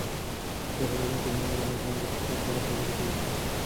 پوهه لرونکې میندې د ماشومانو د روغتیا په اړه خبرې کوي.